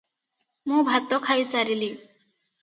ମୁ ଭାତ ଖାଇସାରିଲି